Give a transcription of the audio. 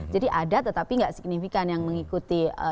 jadi ada tetapi tidak signifikan yang mengikuti